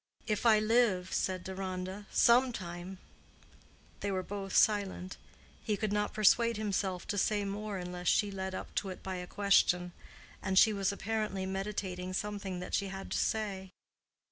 "If I live," said Deronda—"some time." They were both silent. He could not persuade himself to say more unless she led up to it by a question; and she was apparently meditating something that she had to say.